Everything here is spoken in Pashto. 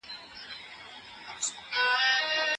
موږ له ډاره ماڼۍ ړنګه کړه.